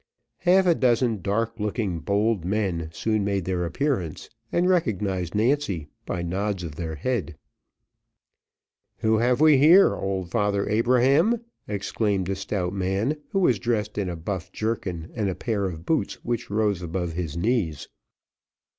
Half a dozen dark looking bold men soon made their appearance, and recognised Nancy by nods of their heads. "Who have we here, old Father Abraham?' exclaimed a stout man, who was dressed in a buff jerkin and a pair of boots which rose above his knees.